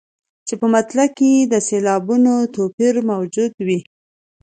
چې په مطلع کې یې د سېلابونو توپیر موجود وي.